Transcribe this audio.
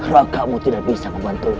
rakyatmu tidak bisa membantumu